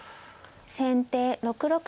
先手６六歩。